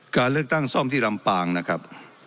การเลือกตั้งซ่อมที่ลำปางนะครับ